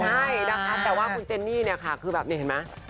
ใช่นะคะแต่ว่าคุณเจนนี่เนี่ยค่ะคือแบบนี้เห็นไหม